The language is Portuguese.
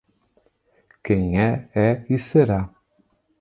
Quem é, é e será.